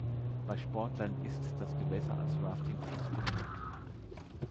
Bei Sportlern ist das Gewässer als Rafting-Fluss beliebt.